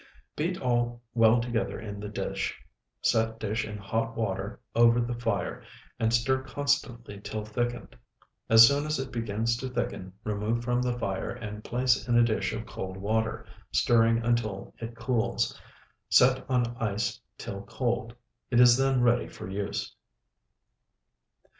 Beat all well together in the dish; set dish in hot water over the fire, and stir constantly till thickened. As soon as it begins to thicken remove from the fire and place in a dish of cold water, stirring until it cools, and set on ice till cold. It is then ready for use.